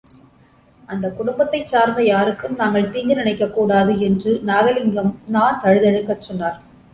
அந்த குடும்பத்தைச் சார்ந்த யாருக்கும் நாங்கள் தீங்கு நினைக்கக் கூடாது என்று நாகலிங்கம் நா தழுதழுக்கச் சொன்னார்.